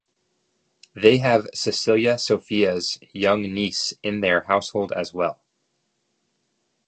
They have Cecelia, Sophia's young niece in their household as well.